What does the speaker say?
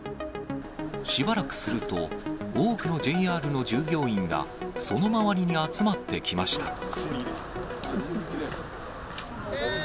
しばらくすると、多くのＪＲの従業員が、その周りに集まってきました。